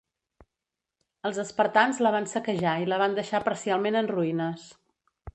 Els espartans la van saquejar i la van deixar parcialment en ruïnes.